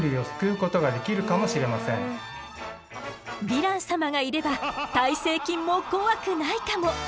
ヴィラン様がいれば耐性菌も怖くないかも。